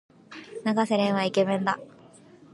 永瀬廉はイケメンだ。